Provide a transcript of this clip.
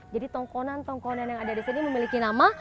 jadi tongkonan tongkonan yang ada di sini memiliki nama